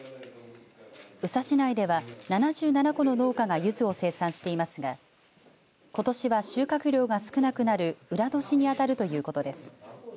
宇佐市内では７７戸の農家がゆずを生産していますがことしは収穫量が少なくなる裏年に当たるということです。